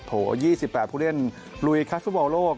๒๘ผู้เล่นรุยคัทธุบัวโลก